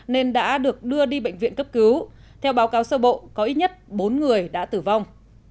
nên đã được đưa đi bệnh viện cấp cứu theo báo cáo sơ bộ có ít nhất bốn người đã tử vong